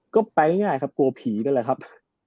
ก็ไปง่ายครับกลัวผีนั่นแหละครับ